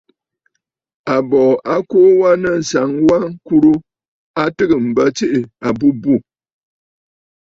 Àbòò a kuu wa nɨ̂ ànsaŋ wa ŋkurə a tɨgə̀ m̀bə tsiʼì àbûbû.